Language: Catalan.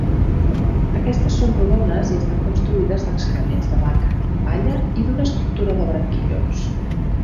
Aquestes són rodones i estan construïdes d'excrements de vaca, palla i d'una estructura de branquillons.